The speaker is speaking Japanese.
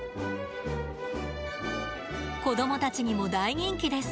子どもたちにも大人気です。